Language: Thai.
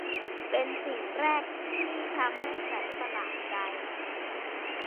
เป็นสิ่งแรกที่ทำให้ฉันประหลาดใจ